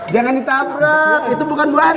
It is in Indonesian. jangan ditabrak itu bukan buah hati bos